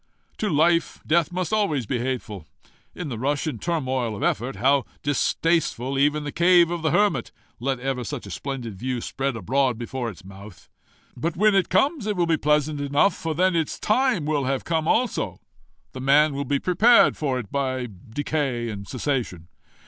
To life, death must be always hateful. In the rush and turmoil of effort, how distasteful even the cave of the hermit let ever such a splendid view spread abroad before its mouth! But when it comes it will be pleasant enough, for then its time will have come also the man will be prepared for it by decay and cessation.